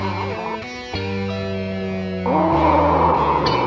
besok sekarang atuh